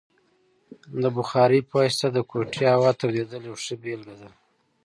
د بخارۍ په واسطه د کوټې هوا تودیدل یوه ښه بیلګه ده.